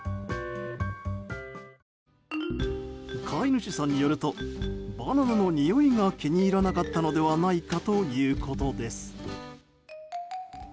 飼い主さんによるとバナナのにおいが気に入らなかったのではないかということです。